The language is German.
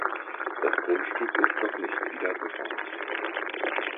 Das Grundstück ist noch nicht wieder bebaut.